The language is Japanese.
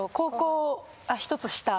１つ下。